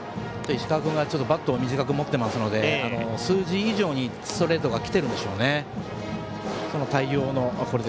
石川君がバットを短く持っていますので数字以上にストレートが来てるんでしょうね。